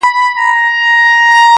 غلیمان د پایکوبونو به په ګور وي-